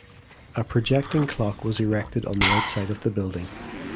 A projecting clock was erected on the outside of the building.